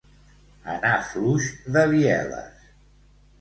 Anar fluix de bieles.